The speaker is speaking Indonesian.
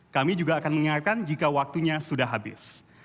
kami juga akan mengingatkan jika waktunya sudah habis